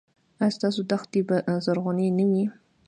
ایا ستاسو دښتې به زرغونې نه وي؟